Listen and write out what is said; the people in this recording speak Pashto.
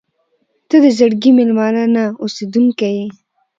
• ته د زړګي مېلمانه نه، اوسېدونکې یې.